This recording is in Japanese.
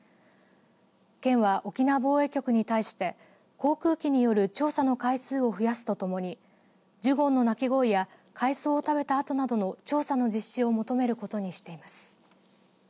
県は沖縄防衛局に対して航空機による調査の回数を増やすとともにジュゴンの鳴き声や海藻を食べた跡などの調査の実施を求めることにしています。